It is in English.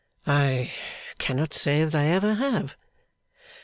'I cannot say that I ever have.